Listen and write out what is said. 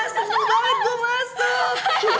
seneng banget gue masuk